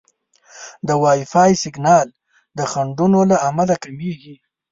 د وائی فای سیګنال د خنډونو له امله کمېږي.